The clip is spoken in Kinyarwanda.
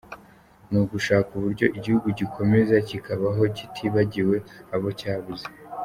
Ni ugushaka uburyo igihugu gikomeza kikabaho kitibagiwe abo cyabuze.”